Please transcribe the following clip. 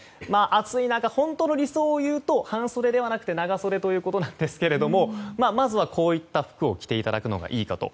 暑い中、本当に理想を言うと半袖ではなくて長袖ということなんですがまずは、こういった服を着ていただくのがいいかと。